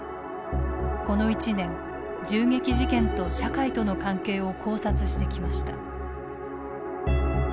この１年銃撃事件と社会との関係を考察してきました。